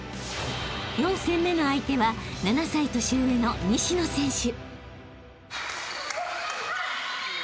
［４戦目の相手は７歳年上の西野選手］